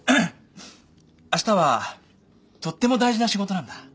あしたはとっても大事な仕事なんだ。